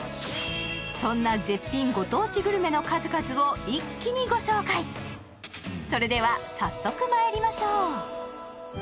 そんな絶品ご当地グルメの数々を一気にご紹介それでは早速まいりましょう